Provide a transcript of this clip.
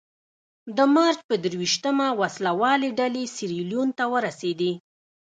د مارچ په درویشتمه وسله والې ډلې سیریلیون ته ورسېدې.